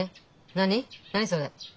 何それ。